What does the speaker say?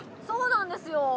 そうなんですよ。